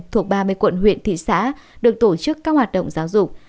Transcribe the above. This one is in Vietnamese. thuộc ba mươi quận huyện thị xã được tổ chức các hoạt động giáo dục